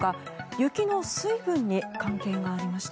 雪の水分に関係がありました。